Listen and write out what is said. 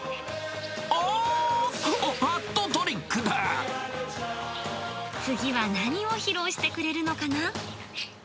ああっ、次は何を披露してくれるのかな？